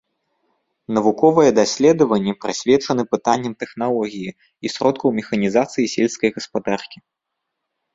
Навуковыя даследаванні прысвечаны пытанням тэхналогіі і сродкаў механізацыі сельскай гаспадаркі.